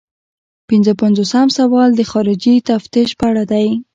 پنځه پنځوسم سوال د خارجي تفتیش په اړه دی.